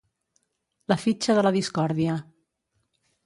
La fitxa de la discòrdia.